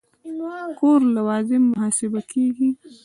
کور لوازم محاسبه کېږي.